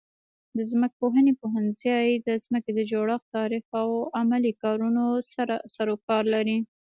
د ځمکپوهنې پوهنځی د ځمکې د جوړښت، تاریخ او عملي کارونو سره سروکار لري.